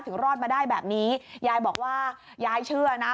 รอดมาได้แบบนี้ยายบอกว่ายายเชื่อนะ